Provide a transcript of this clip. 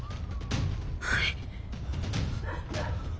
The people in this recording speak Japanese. はい。